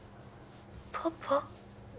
パパ？